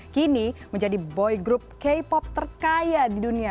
kini menjadi boy group k pop terkaya di dunia